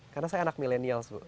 karena saya anak millenials bu